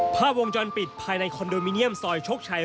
ภาพวงจรปิดภายในคอนโดมิเนียมซอยโชคชัย